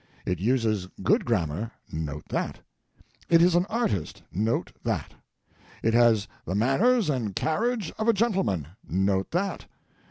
It uses good grammar—note that. It is an Artist—note that. It has the manners and carriage of a gentleman—note that.